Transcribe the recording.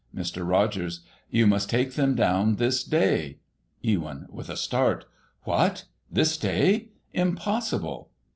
Mr. Rogers : You must take them down this day. Ewyn (with a start) : What ! this day > Impossible.